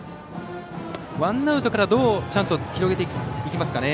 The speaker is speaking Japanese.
ワンアウトから、どうチャンスを広げていきますかね。